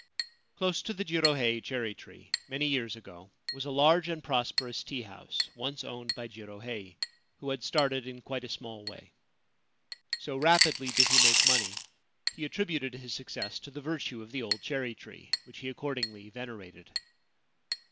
Close to the Jirohei cherry tree, many years ago, was a large and prosperous tea house, once owned by Jirohei, who had started in quite a small way. So rapidly did he make money, he attributed his success to the virtue of the old cherry tree, which he accordingly venerated.